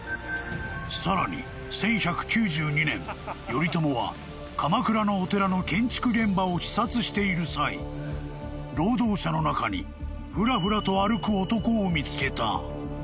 ［頼朝は鎌倉のお寺の建築現場を視察している際労働者の中にふらふらと歩く男を見つけた］